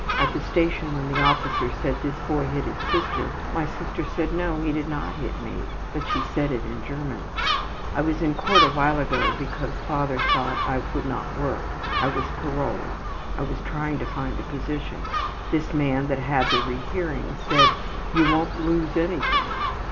At the station when the officer said this boy hit his sister, my sister said, `No, he did not hit me,' but she said it in German. ``I was in court awhile ago because father thought I would not work. I was paroled. I was trying to find a position. This man that had the rehearing said, `You wont lose anything.'